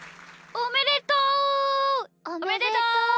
おめでとう！